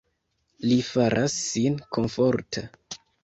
Li faras sin komforta.